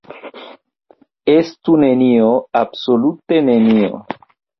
Estu nenio, absolute nenio!